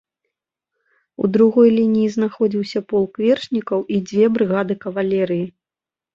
У другой лініі знаходзіўся полк вершнікаў і дзве брыгады кавалерыі.